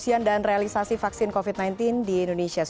ada kendala atau tidak